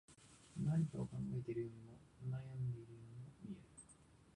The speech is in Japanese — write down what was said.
何かを考えているようにも、悩んでいるようにも見えた